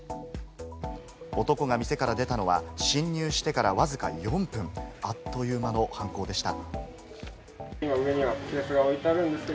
男が店から出たのは侵入してからわずか４分、あっという間の犯行でした。